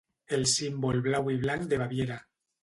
El símbol blau i blanc de Baviera.